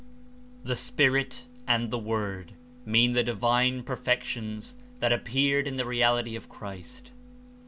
^^The Spirit and the Word mean the divine per fections that appeared in the Reality of Christ.'